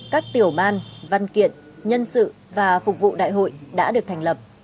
các tiểu ban văn kiện nhân sự và phục vụ đại hội đã được thành lập